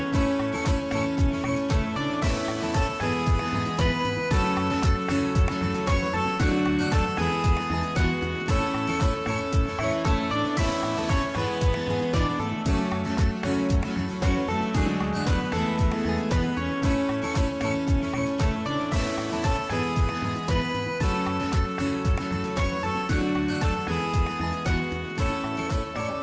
โปรดติดตามตอนต่อไป